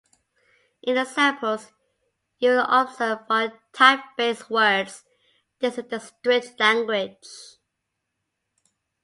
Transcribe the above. In the examples you will observe bold typeface words, this is the strict language.